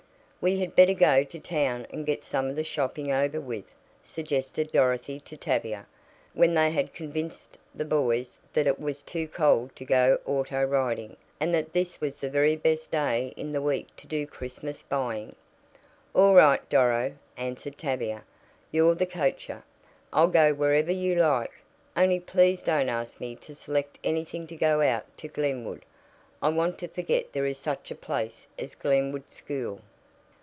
"We had better go to town and get some of the shopping over with," suggested Dorothy to Tavia, when they had convinced the boys that it was too cold to go auto riding, and that this was the very best day in the week to do Christmas buying. "All right, Doro," answered Tavia. "You're the coacher. I'll go wherever you like, only please don't ask me to select anything to go out to Glenwood I want to forget there is such a place as Glenwood School."